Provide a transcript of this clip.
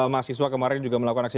mahasiswa kemarin juga melakukan aksi